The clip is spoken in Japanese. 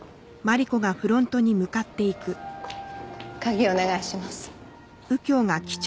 鍵お願いします。